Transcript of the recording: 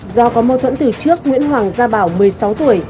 do có mâu thuẫn từ trước nguyễn hoàng gia bảo một mươi sáu tuổi